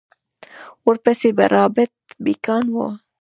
ورپسې به رابرټ بېکان و.